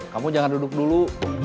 kamu jangan duduk dulu